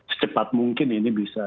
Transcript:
secepat mungkin ini bisa